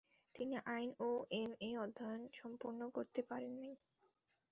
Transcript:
তিনি আইন ও এম.এ অধ্যয়ন সম্পূর্ণ করতে পারেন নাই।